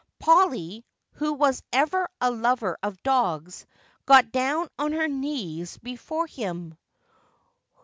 Polly, who was ever a lover of dogs, got down on her knees before him.